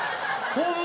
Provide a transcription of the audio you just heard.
ホンマ？